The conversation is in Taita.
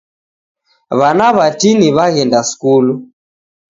W'ana w'atini w'aghenda skulu.